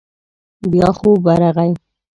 بيا خوب ورغی.